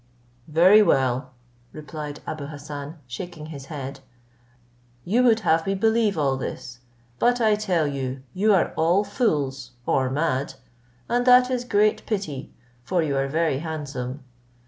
"Very well," replied Abou Hassan, shaking his head, "you would have me believe all this; but I tell you, you are all fools, or mad, and that is great pity, for you are very handsome.